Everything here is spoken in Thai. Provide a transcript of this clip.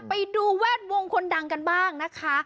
ไปดูแวดวงคนดังกันบ้างนะคะ